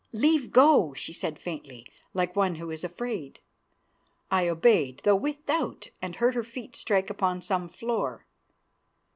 "Leave go," she said faintly, like one who is afraid. I obeyed, though with doubt, and heard her feet strike upon some floor.